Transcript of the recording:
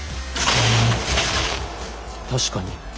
確かに。